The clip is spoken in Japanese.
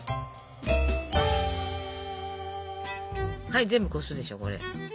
はい全部こすでしょこれ。